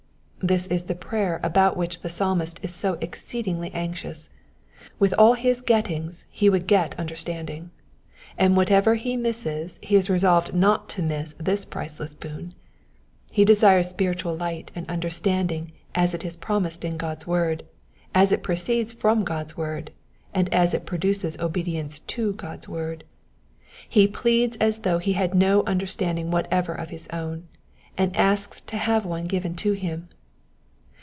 ^^ This is the prayer about which the Psalmist is so exceedingly anxious. With all his gettings he would pfet understanding, and whatever he misses he is resolved not to miss this priceless boon. He desires spiritual light and understanding as it is promised in G^d's word, as it proceeds from God's word, and as it* produces obedience to God's word. He pleads as though he had no under standing whatever of his own, and asks to have one given to him.